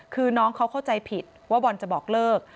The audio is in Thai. คือน้องเขาเข้าใจผิดว่าบอลจะบอกเลิก